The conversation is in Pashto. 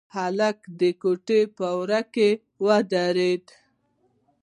هلک د کوټې په وره کې ودرېد.